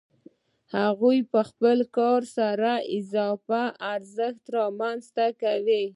هغوی په خپل کار سره اضافي ارزښت رامنځته کوي